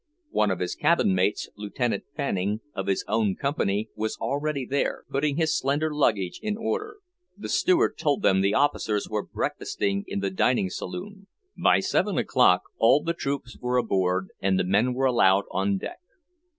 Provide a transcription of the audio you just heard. One of his cabin mates, Lieutenant Fanning, of his own company, was already there, putting his slender luggage in order. The steward told them the officers were breakfasting in the dining saloon. By seven o'clock all the troops were aboard, and the men were allowed on deck.